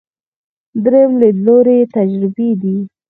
درېیم لیدلوری تجربي دی.